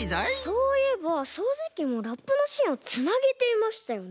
そういえばそうじきもラップのしんをつなげていましたよね。